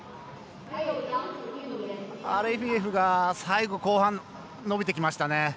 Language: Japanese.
アレフィエフが最後、後半伸びてきましたね。